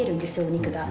お肉が。